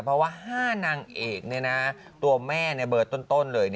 เพราะว่า๕นางเอกตัวแม่เบอร์ต้นเลย